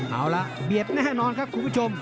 เอาละเบียดแน่นอนครับคุณผู้ชม